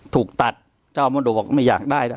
ถูกตัดเจ้ามรดกบอกว่าไม่อยากได้